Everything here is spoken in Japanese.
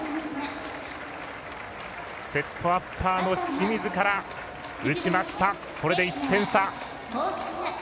セットアッパーの清水から打ちました、これで１点差。